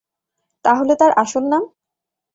তাহলে তার আসল নাম?